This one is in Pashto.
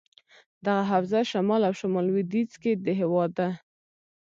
دغه حوزه شمال او شمال لودیځ کې دهیواد ده.